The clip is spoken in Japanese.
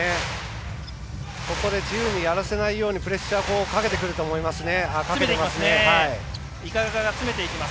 ここで自由にやらせないようにプレッシャーかけてくると思いますね。